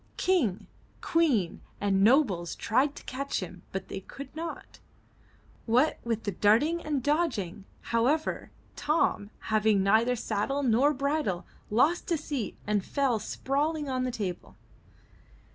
King, Queen and nobles tried to catch him, but they could not. What with the darting and 267 M Y BOOK HOUSE dodging, however, Tom, having neither saddle nor bridle, lost his seat and fell sprawling on the table.